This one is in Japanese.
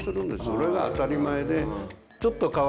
それが当たり前で。